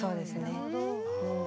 なるほど。